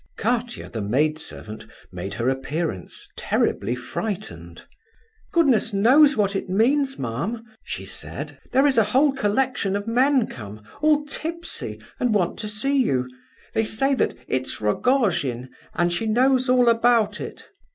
XV. Katia, the maid servant, made her appearance, terribly frightened. "Goodness knows what it means, ma'am," she said. "There is a whole collection of men come—all tipsy—and want to see you. They say that 'it's Rogojin, and she knows all about it.